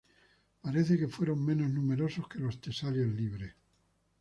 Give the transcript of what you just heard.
Parece que fueron menos numerosos que los tesalios libres.